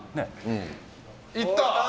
いった。